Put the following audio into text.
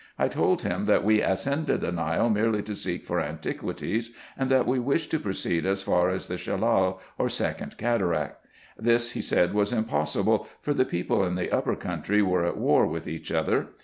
I told him, that we ascended the Nile merely to seek for antiquities, and that we wished to proceed as far as the Shellal, or second cataract. This he said was impossible, for the people in the upper country were at war with each other.